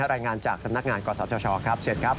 รายงานจากสำนักงานกศชครับเชิญครับ